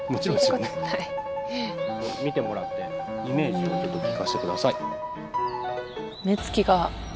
見てもらってイメージをちょっと聞かせて下さい。